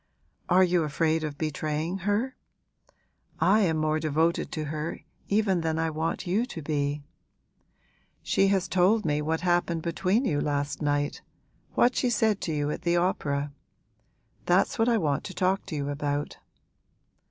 'Are you afraid of betraying her? I am more devoted to her even than I want you to be. She has told me what happened between you last night what she said to you at the opera. That's what I want to talk to you about.'